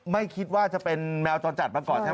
ไม่คิดว่าจะเป็นแมวจรจัดมาก่อนนะครับ